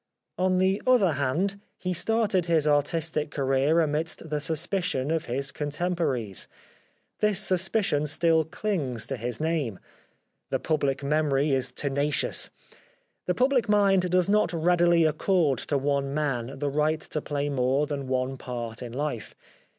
On the other hand, he started his artistic career amidst the suspicion of his con temporaries. This suspicion still clings to his name. The public memory is tenacious. The public mind does not readily accord to one man the right to play more than one part in life.